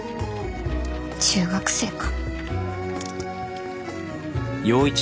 中学生か